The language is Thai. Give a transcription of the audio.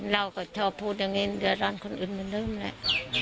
เราก็ชอบพูดอย่างเนี้ยเวลาร้านคนอื่นมันเริ่มแล้ว